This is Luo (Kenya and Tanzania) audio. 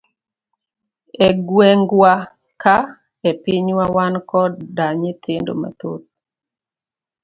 E gwengwa ka e pinywa wan koda nyithindo mathoth.